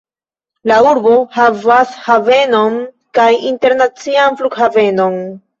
La urbo havas havenon kaj internacian flughavenon.